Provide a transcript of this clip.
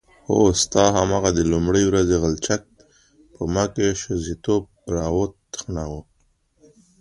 هو ستا هماغه د لومړۍ ورځې غلچک په ما کې ښځتوب راوتخناوه.